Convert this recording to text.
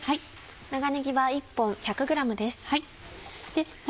長ねぎは１本１００ｇです。